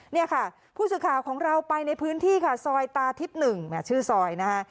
นี่ค่ะผู้สื่อข่าวของเราไปในพื้นที่ค่ะซอยตาทิพย์๑ชื่อซอยนะคะ